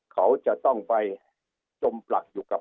เขาจะต้องไปจมปลักอยู่กับ